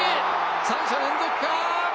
３者連続か？